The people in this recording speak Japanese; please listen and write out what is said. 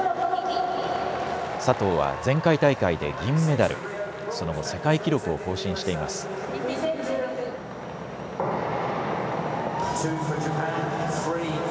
佐藤は前回大会で銀メダルその後世界記録を更新しています。